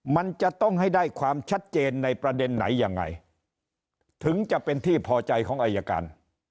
มันจะต้องให้ได้ความชัดเจนในประเด็นไหนยังไงถึงจะเป็นที่พอใจของอายการ